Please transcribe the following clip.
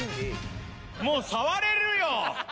もう触れるよ。